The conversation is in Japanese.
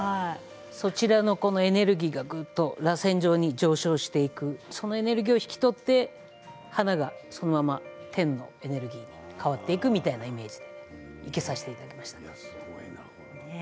こちらのエネルギーがらせん状に上昇していくそのエネルギーを引き取って花がそのまま天に向かって変わっていくというイメージで生けさせていただきました。